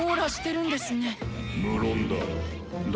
無論だ。